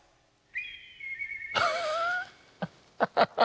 ハッハハハ。